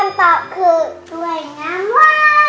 ตอบคือช่วยน้ำว่า